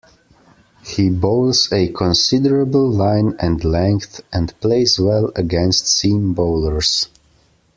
He bowls a considerable line and length, and plays well against seam bowlers.